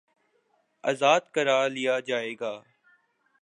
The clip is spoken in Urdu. آزاد کرا لیا جائے گا